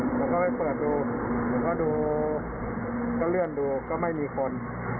ผมก็ไปเปิดดูผมก็ดูก็เลื่อนดูก็ไม่มีคน